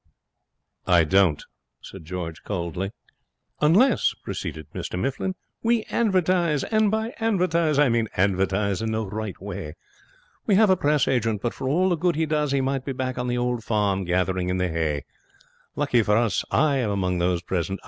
'I don't,' said George, coldly. 'Unless,' proceeded Mr Mifflin, 'we advertise. And by advertise, I mean advertise in the right way. We have a Press agent, but for all the good he does he might be back on the old farm, gathering in the hay. Luckily for us, I am among those present.